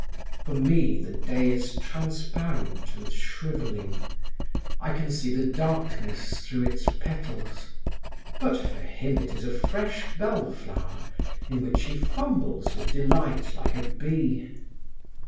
"For me the day is transparent and shrivelling. I can see the darkness through its petals. But for him it is a fresh bell flower, in which he fumbles with delights like a bee.